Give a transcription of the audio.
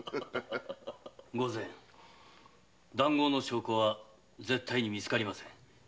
御前談合の証拠は絶対にみつかりません。